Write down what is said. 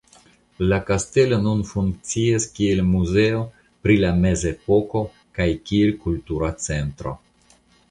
La kastelo nun funkcias kiel muzeo pri la mezepoko kaj kiel kultura centro.